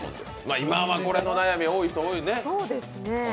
今はこれの悩み、多い人多いよね。